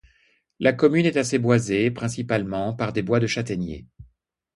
La commune est assez boisée, principalement par des bois de châtaigniers.